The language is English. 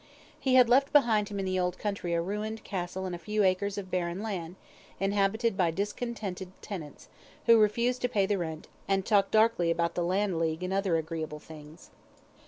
He had left behind him in the old country a ruined castle and a few acres of barren land, inhabited by discontented tenants, who refused to pay the rent, and talked darkly about the Land League and other agreeable things.